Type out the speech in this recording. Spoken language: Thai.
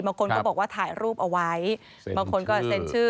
บางคนก็บอกว่าถ่ายรูปเอาไว้บางคนก็เซ็นชื่อ